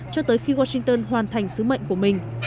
cho tới khi washington hoàn thành sứ mệnh của mình